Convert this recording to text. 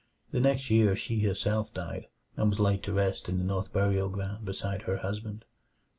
The next year she herself died, and was laid to rest in the North Burial Ground beside her husband.